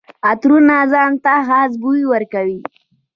عطرونه ځان ته خاص بوی ورکوي.